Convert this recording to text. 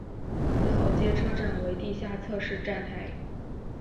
四号街车站为地下侧式站台。